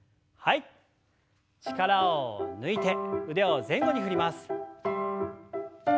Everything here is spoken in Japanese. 力を抜いて腕を前後に振ります。